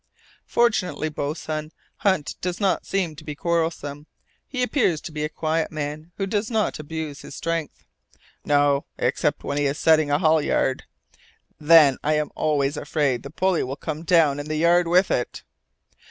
"Fortunately, boatswain, Hunt does not seem to be quarrelsome. He appears to be a quiet man who does not abuse his strength." "No except when he is setting a halyard. Then I am always afraid the pulley will come down and the yard with it."